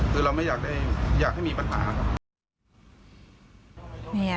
คือเราไม่อยากให้มีปัญหาครับ